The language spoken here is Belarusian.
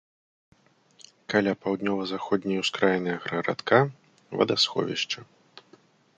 Каля паўднёва-заходняй ускраіны аграгарадка вадасховішча.